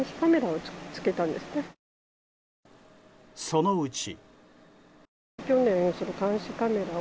そのうち。